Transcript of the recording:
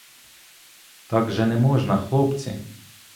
Так же не можна, хлопці.